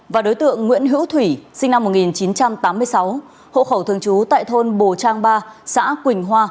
và đối tượng nguyễn hữu thủy sinh năm một nghìn chín trăm tám mươi sáu hộ khẩu thường trú tại thôn bồ trang ba xã quỳnh hoa